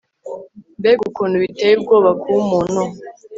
Mbega ukuntu biteye ubwoba kuba umuntu